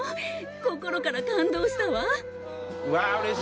心から感動したわ！